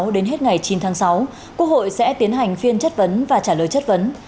đến hết ngày chín tháng sáu quốc hội sẽ tiến hành phiên chất vấn và trả lời chất vấn